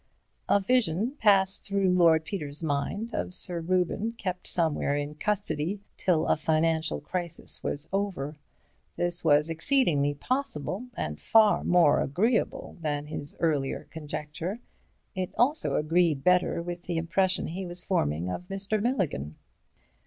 A vision passed through Lord Peter's mind of Sir Reuben kept somewhere in custody till a financial crisis was over. This was exceedingly possible, and far more agreeable than his earlier conjecture; it also agreed better with the impression he was forming of Mr. Milligan.